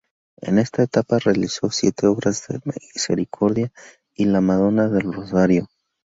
En esta etapa realizó las Siete obras de misericordia y la "Madonna del Rosario".